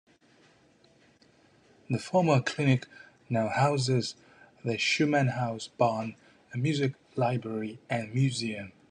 The former clinic now houses the Schumannhaus Bonn, a music library and museum.